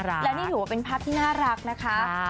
แล้วนี่ถือว่าเป็นภาพที่น่ารักนะคะ